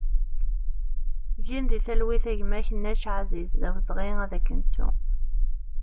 Gen di talwit a gma Kennac Aziz, d awezɣi ad k-nettu!